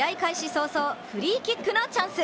早々、フリーキックのチャンス。